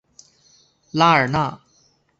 拉尔纳。